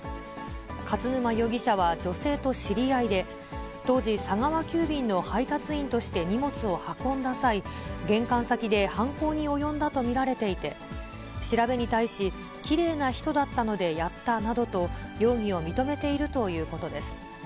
勝沼容疑者は女性と知り合いで、当時、佐川急便の配達員として荷物を運んだ際、玄関先で犯行に及んだと見られていて、調べに対し、きれいな人だったのでやったなどと、容疑を認めているということです。